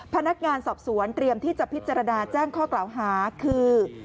พนักงานสอบสวนเตรียมที่จะพิจารณาแจ้งข้อกล่าวหาคือ